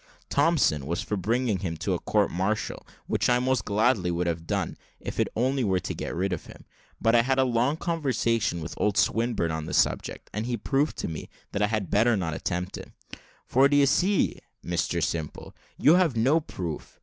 Thompson was for bringing him to a court martial, which I would most gladly have done, if it only were to get rid of him; but I had a long conversation with old Swinburne on the subject, and he proved to me that I had better not attempt it. "For, d'ye see, Mr Simple, you have no proof.